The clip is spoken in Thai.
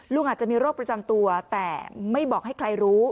อาจจะมีโรคประจำตัวแต่ไม่บอกให้ใครรู้